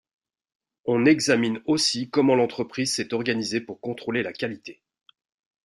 On examine aussi comment l'entreprise s'est organisée pour contrôler la qualité.